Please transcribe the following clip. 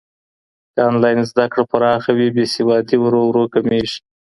که انلاین زده کړه پراخه وي، بې سوادي ورو ورو کمېږي.